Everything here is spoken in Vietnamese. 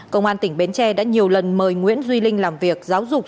công an tỉnh bến tre đã nhiều lần mời nguyễn duy linh làm việc giáo dục